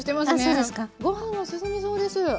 ご飯が進みそうです。